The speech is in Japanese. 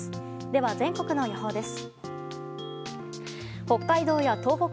では、全国の予報です。